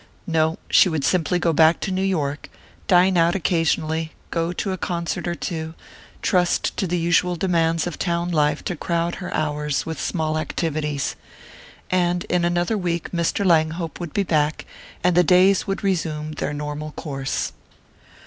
No she would simply go back to New York, dine out occasionally, go to a concert or two, trust to the usual demands of town life to crowd her hours with small activities.... And in another week Mr. Langhope would be back and the days would resume their normal course.